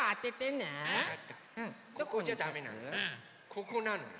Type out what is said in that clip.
ここなのよ。